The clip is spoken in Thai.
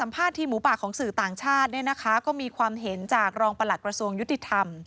ทีมหมูป่าของสื่อต่างชาติเนี่ยนะคะก็มีความเห็นจากรองประหลัดกระทรวงยุติธรรม